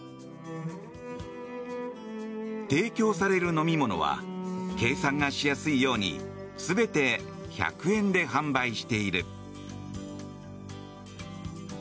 提供される飲み物は計算がしやすいように全て１００円で販売している。